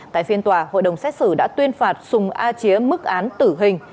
tại phiên tòa hội đồng xét xử đã tuyên phạt sùng a chía mức án tử hình